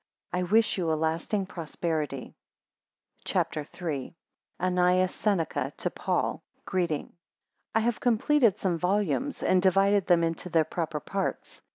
I wish you a lasting prosperity. CHAPTER III. ANNAEUS SENECA to PAUL Greeting. I HAVE completed some volumes and divided them into their proper parts.